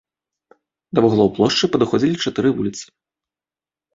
Да вуглоў плошчы падыходзілі чатыры вуліцы.